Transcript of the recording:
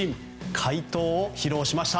快投を披露しました。